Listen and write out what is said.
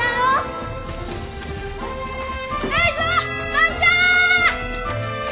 万ちゃん！